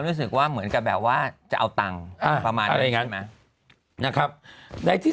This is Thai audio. รู้สึกว่าเหมือนกับแบบว่าจะเอาตังค์ประมาณว่าอย่างนั้นไหมนะครับในที่